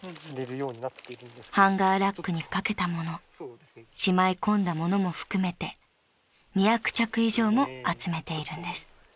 ［ハンガーラックに掛けた物しまい込んだ物も含めて２００着以上も集めているんです］